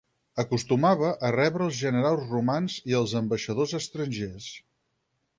Acostumava a rebre els generals romans i als ambaixadors estrangers.